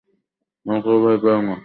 আমি তোকে ভয় পাই না!